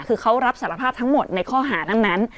คือเขารับสารภาพทั้งหมดในข้อหานั้น